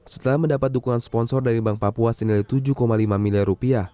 setelah mendapat dukungan sponsor dari bank papua senilai tujuh lima miliar rupiah